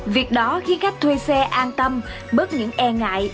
việc đó khi khách thuê xe an tâm bớt những e ngại